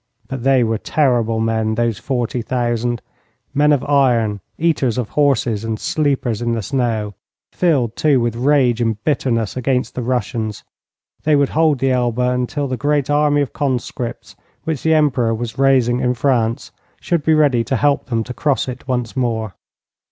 But they were terrible men, these forty thousand: men of iron, eaters of horses, and sleepers in the snow; filled, too, with rage and bitterness against the Russians. They would hold the Elbe until the great army of conscripts, which the Emperor was raising in France, should be ready to help them to cross it once more.